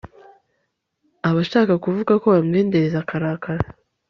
aba ashaka kuvuga ko bamwendereza akarakara